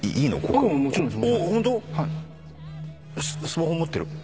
スマホ持ってる？